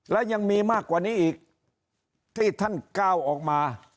และยังมีมากกว่านี้อีกที่ท่านก้าวออกมา